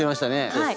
はい。